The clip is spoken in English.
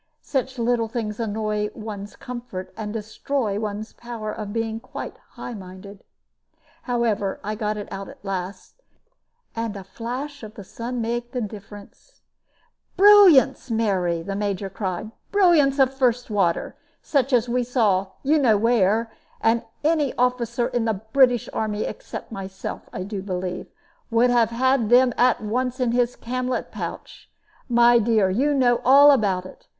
Such little things annoy one's comfort, and destroy one's power of being quite high minded. However, I got it out at last, and a flash of the sun made the difference. "Brilliants, Mary!" the Major cried; "brilliants of first water; such as we saw, you know where; and any officer in the British army except myself, I do believe, would have had them at once in his camlet pouch my dear, you know all about it.